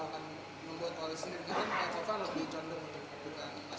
atau akan membuat oleh sendiri